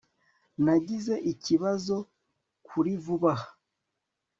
nagize ikibazo kuri vuba aha